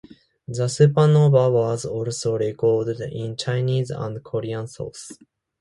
The supernova was also recorded in Chinese and Korean sources.